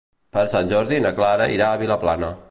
Per Sant Jordi na Clara irà a Vilaplana.